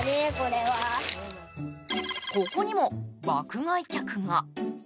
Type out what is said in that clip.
ここにも爆買い客が。